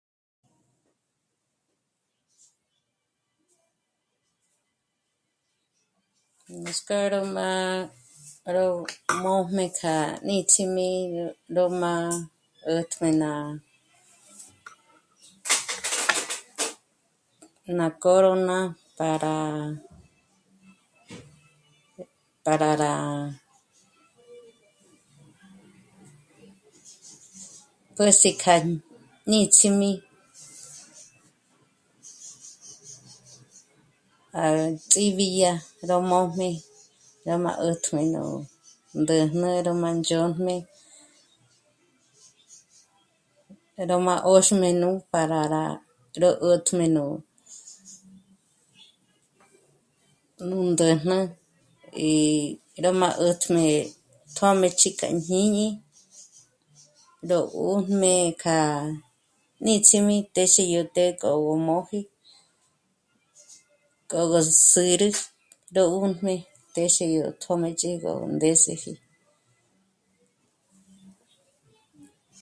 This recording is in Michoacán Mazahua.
Nuts'k'ó ró má ró mójm'e k'a níts'im'i ró má 'ä̀tjmé ná, ná córona para, para rá pǘs'i kja níts'im'i à ndzíbidya ró mójm'e, rá má 'ä̂tjmé nú ndä̂jnä ró má ndzhójmé, pero má 'ö́xm'e nù para rá... ró 'ä̀tjmé nú... nú ndä̂jnä í ró má 'ä̀tjmé tjö́mëch'i k'a jñíñi, ró 'ùjmé k'a níts'im'i téxe yó të́'ë k'ò gó móji kä̂gü sîri ró 'ùjmé téxe yó tjö́mëch'i gó ndés'eji